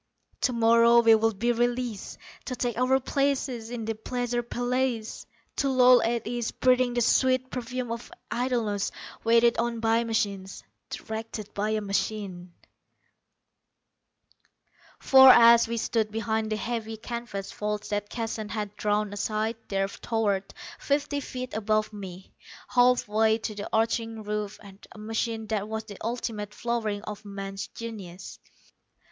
Tomorrow, we would be released, to take our places in the pleasure palaces. To loll at ease, breathing the sweet perfume of idleness, waited on by machines directed by a machine. For, as we stood behind the heavy canvas folds that Keston had drawn aside, there towered, fifty feet above me, halfway to the arching roof, a machine that was the ultimate flowering of man's genius.